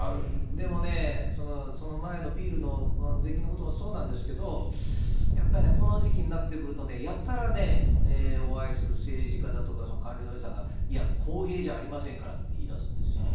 でもね、その前のビールの税金のこともそうなんですけど、やっぱりね、この時期になってくるとね、やたらね、お会いする政治家だとか官僚の皆さんが、いや、公平じゃありませんからって言いだすんですよ。